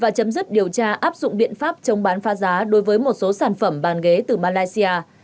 và chấm dứt điều tra áp dụng biện pháp chống bán phá giá đối với một số sản phẩm bàn ghế từ malaysia